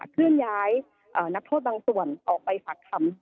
เคลื่อนย้ายนักโทษบางส่วนออกไปฝากคำ